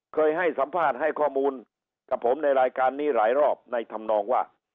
เคยให้สัมภาษณ์ให้ข้อมูลกับผมในรายการนี้หลายรอบในธรรมนองว่า